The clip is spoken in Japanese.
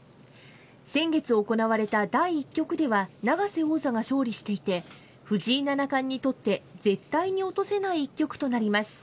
先月行われた第１局では、永瀬王座が勝利していて、藤井七冠にとって絶対に落とせない一局となります。